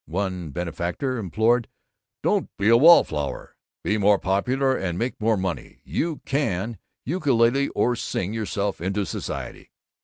One benefactor implored, "Don't be a Wallflower Be More Popular and Make More Money You Can Ukulele or Sing Yourself into Society!